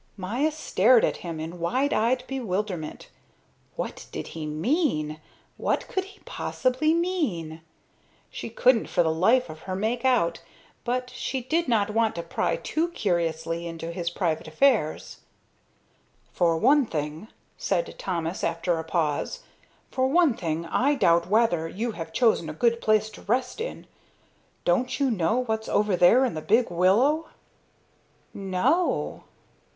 Maya stared at him in wide eyed bewilderment. What did he mean, what could he possibly mean? She couldn't for the life of her make out, but she did not want to pry too curiously into his private affairs. "For one thing," said Thomas after a pause, "for one thing I doubt whether you have chosen a good place to rest in. Don't you know what's over there in the big willow?" "No."